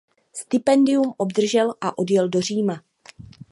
Stipendium obdržel a odjel do Říma.